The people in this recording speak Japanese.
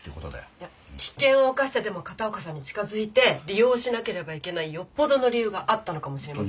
いや危険を冒してでも片岡さんに近づいて利用しなければいけないよっぽどの理由があったのかもしれませんよ。